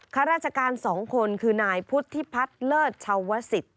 ข้าราชการ๒คนคือนายพุทธิพัฒน์เลิศชาวสิต